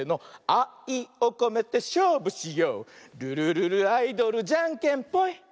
「あいをこめてしょうぶしよう」「ルルルルアイドルじゃんけんぽい！」